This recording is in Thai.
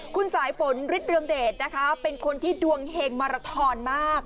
คุณสายฝนฤทธเรืองเดชนะคะเป็นคนที่ดวงเฮงมาราทอนมาก